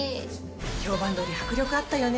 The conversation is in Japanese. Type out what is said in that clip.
評判通り迫力あったよね。